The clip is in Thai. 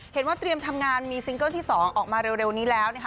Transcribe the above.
เห็นว่าเตรียมทำงานมีซิงเกิลที่๒ออกมาเร็วนี้แล้วนะคะ